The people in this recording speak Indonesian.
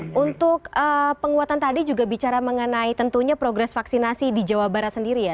oke untuk penguatan tadi juga bicara mengenai tentunya progres vaksinasi di jawa barat sendiri ya